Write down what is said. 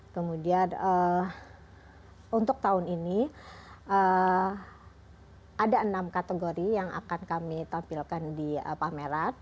kemudian untuk tahun ini ada enam kategori yang akan kami tampilkan di pameran